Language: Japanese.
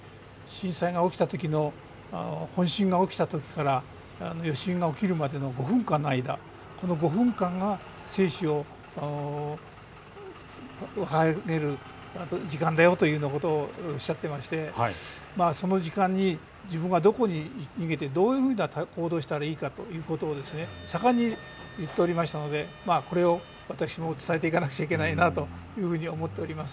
震災が起きたときの本震が起きたときから余震が起きるまでの５分間の間、この５分間が生死を分ける時間だよとおっしゃっていましてその時間に自分がどこに逃げてどういうふうに行動したらいいかということを言っていましたので私も伝えていかなければならないなと思っております。